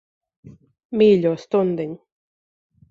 Mīļo stundiņ.